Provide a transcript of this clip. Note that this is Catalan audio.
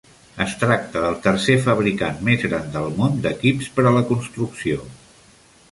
Es tracta del tercer fabricant més gran del món d'equips per a la construcció.